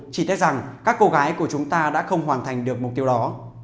chỉ thấy rằng các cô gái của chúng ta đã không hoàn thành được mục tiêu đó